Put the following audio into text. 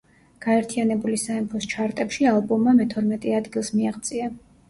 გაერთიანებული სამეფოს ჩარტებში ალბომმა მეთორმეტე ადგილს მიაღწია.